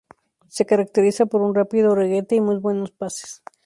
Se caracteriza por un rápido regate y muy buenos pases.